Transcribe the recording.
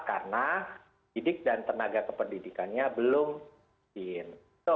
karena didik dan tenaga kependidikannya belum diin